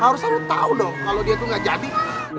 harusnya lo tau dong kalau dia tuh gak jadi